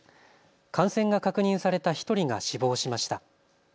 感染が確認された１人が死亡しました。